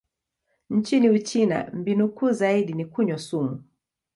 Nchini Uchina, mbinu kuu zaidi ni kunywa sumu.